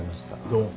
どうも。